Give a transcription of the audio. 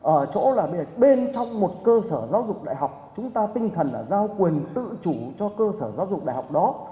ở chỗ là bên trong một cơ sở giáo dục đại học chúng ta tinh thần là giao quyền tự chủ cho cơ sở giáo dục đại học đó